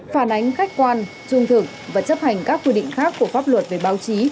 phản ánh khách quan trung thực và chấp hành các quy định khác của pháp luật về báo chí